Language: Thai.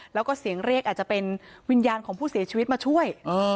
แล้วก็เสียงเรียกอาจจะเป็นวิญญาณของผู้เสียชีวิตมาช่วย